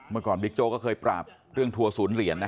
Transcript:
เมื่อก่อนบิ๊กโจ๊ก็เคยปราบเรื่องทัวร์ศูนย์เหรียญนะ